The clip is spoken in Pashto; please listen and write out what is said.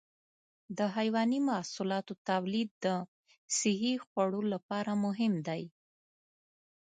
د حيواني محصولاتو تولید د صحي خوړو لپاره مهم دی.